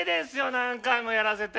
何回もやらせて。